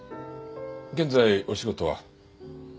現在お仕事は？